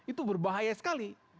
itu berbahaya sekali